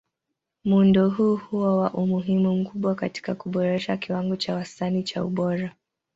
Muundo huu huwa na umuhimu mkubwa katika kuboresha kiwango cha wastani cha ubora.